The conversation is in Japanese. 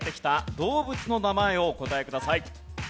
動物の名前をお答えください。